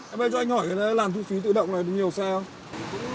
em ơi cho anh hỏi cái làn thu phí tự động này có nhiều xe không